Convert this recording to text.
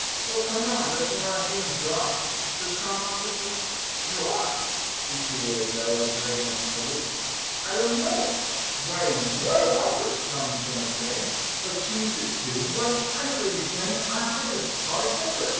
"Well, come on, don't you want a game of draughts?" said Tom, awkwardly. "Draughts?" repeated Adela, very much puzzled. "I don't know it." "Why, what a whopper!" Tom was going to say, but changed it to, "Why, I saw you playing it last night with Polly Pepper."